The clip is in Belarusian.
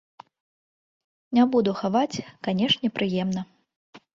Не буду хаваць, канешне прыемна.